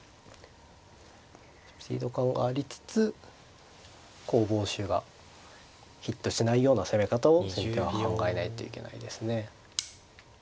スピード感がありつつ攻防手がヒットしないような攻め方を先手は考えないといけないですね。